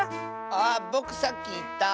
あっぼくさっきいった。